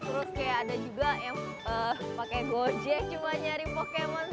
terus kayak ada juga yang pakai gojek cuma nyari pokemon